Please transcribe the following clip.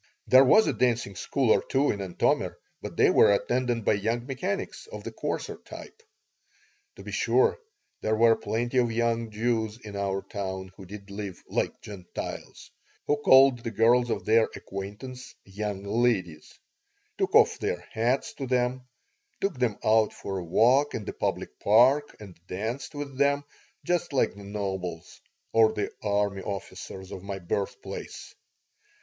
There was a dancing school or two in Antomir, but they were attended by young mechanics of the coarser type. To be sure, there were plenty of young Jews in our town who did live "like Gentiles," who called the girls of their acquaintance "young ladies," took off their hats to them, took them out for a walk in the public park, and danced with them, just like the nobles or the army officers of my birthplace.